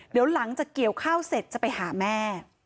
เดี๋ยวหลังจากเกี่ยวข้าวเสร็จจะไปหาแม่